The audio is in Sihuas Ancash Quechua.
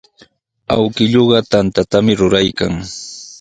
Awkilluuqa tantatami ruraykan.